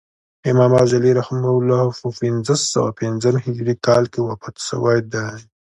امام غزالی رحمة الله په پنځه سوه پنځم هجري کال کښي وفات سوی دئ.